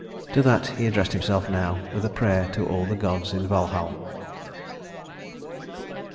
To that he addressed himself now, with a prayer to all the Gods in Valhall.